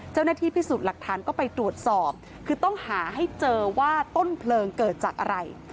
เจ้าหน้าที่พิสูจน์หลักฐานก็ไปตรวจสอบคือต้องหาให้เจอว่าต้นเพลิงเกิดจากอะไร